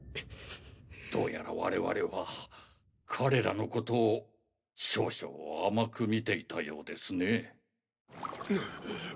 どうやら我々は組織のことを少々甘く見ていたようですね。